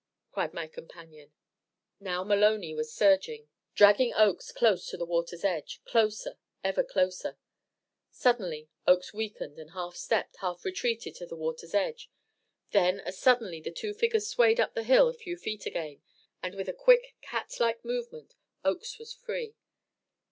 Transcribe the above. cried my companion. Now Maloney was surging, dragging Oakes close to the water's edge closer, ever closer. Suddenly Oakes weakened and half stepped, half retreated, to the water's edge; then as suddenly the two figures swayed up the hill a few feet again, and with a quick, cat like movement Oakes was free.